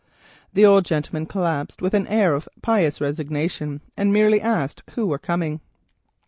The old gentleman collapsed with an air of pious resignation, and meekly asked who was coming.